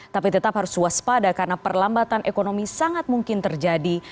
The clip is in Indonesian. tapi tetap harus waspada karena perlambatan ekonomi sangat mungkin terjadi